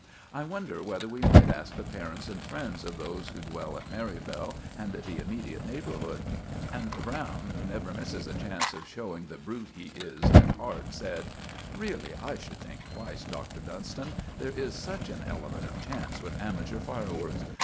I wonder whether we might ask the parents and friends of those who dwell at Merivale and the immediate neighborhood." And Browne, who never misses a chance of showing the brute he is at heart, said: "Really, I should think twice, Doctor Dunston. There is such an element of chance with amateur fireworks.